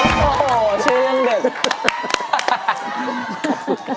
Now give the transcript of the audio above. โอ้โหชื่อเรื่องเด็ก